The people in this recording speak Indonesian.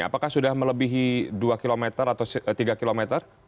apakah sudah melebihi dua km atau tiga kilometer